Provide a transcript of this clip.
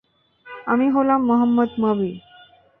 আমি হলাম মোহাম্মদ মবি।